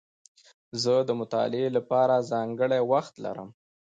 زه د مطالعې له پاره ځانګړی وخت لرم.